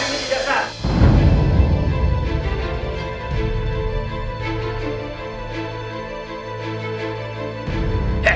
pernikahannya tidak sah